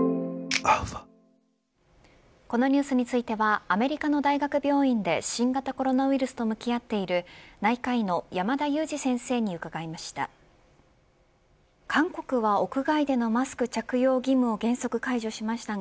このニュースについてはアメリカの大学病院で新型コロナウイルスと向き合っている内科医の山田悠史先生に伺いました。